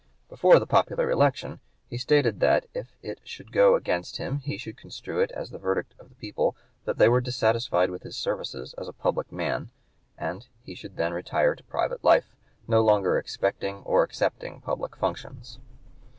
Before the popular election he stated that if it should go against him he should construe it as the verdict of the people that they were dissatisfied with his services as a public man, and he should then retire to private life, no longer expecting or accepting public functions.